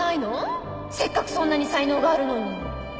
せっかくそんなに才能があるのに！